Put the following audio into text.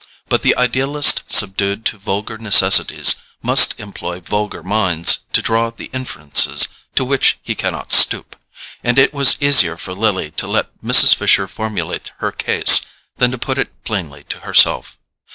But the idealist subdued to vulgar necessities must employ vulgar minds to draw the inferences to which he cannot stoop; and it was easier for Lily to let Mrs. Fisher formulate her case than to put it plainly to herself.